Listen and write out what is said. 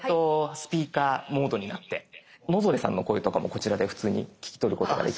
スピーカーモードになって野添さんの声とかもこちらで普通に聞き取ることができますから。